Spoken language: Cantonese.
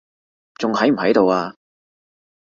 仲喺唔喺度啊？